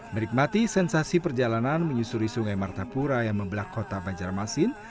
menikmati sensasi perjalanan menyusuri sungai martapura yang membelak kota banjarmasin